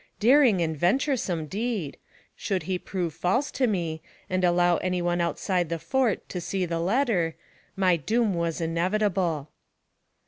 Daring and venturesome deed! Should he prove false to me, and allow any one outside the fort to see the letter, my doom was inevitable.